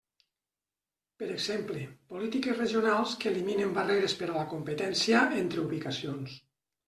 Per exemple, polítiques regionals que eliminen barreres per a la competència entre ubicacions.